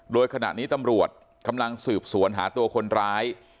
โดยขณะนี้ตำรวจกำลังสืบสวนหาตัวคนร้าย